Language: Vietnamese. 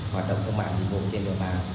hoạt động thông mại dịch vụ trên đường mạng